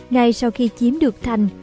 ngay sau khi chiếm được thành